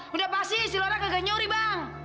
sudah pasti si laura tidak nyuri bang